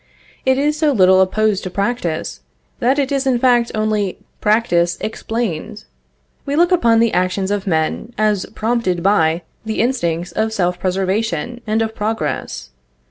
It is so little opposed to practice, that it is in fact only practice explained. We look upon the actions of men as prompted by the instinct of self preservation and of progress.